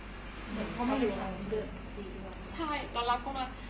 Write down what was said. เหมือนเขาไม่อยู่กับเรา๔เดือน